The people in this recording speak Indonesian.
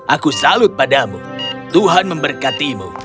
aku salut padamu tuhan memberkatimu